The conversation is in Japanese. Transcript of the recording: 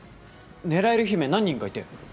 狙える姫何人かいて。